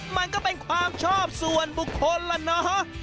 มันก็เป็นความชอบส่วนบุคคลล่ะเนาะ